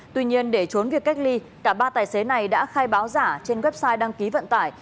tuy nhiên để trốn việc cách ly cả ba tài xế này đã khai báo giả trên website đăng ký vận tải